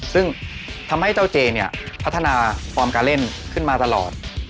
ซึ่งทำให้เจ้าเจเนี่ยพัฒนาฟอร์มการเล่นขึ้นมาตลอด